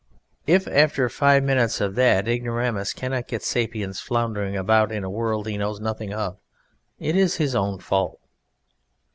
If, after five minutes of that, Ignoramus cannot get Sapiens floundering about in a world he knows nothing of, it is his own fault.